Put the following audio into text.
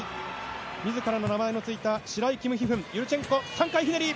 自らの名前の付いたシライ／キム・ヒフンユルチェンコ３回ひねり。